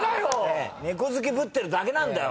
猫好きぶってるだけなんだよ。